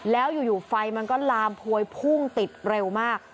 แล้วอยู่ไฟมันก็ลามพวยพุ่งติดเร็วมาก